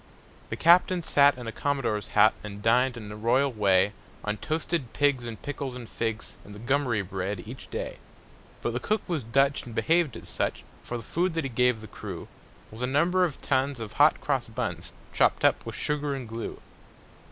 The captain sat in a commodore's hat And dined, in a royal way, On toasted pigs and pickles and figs And gummery bread, each day. But the cook was Dutch, and behaved as such; For the food that he gave the crew Was a number of tons of hot cross buns, Chopped up with sugar and glue.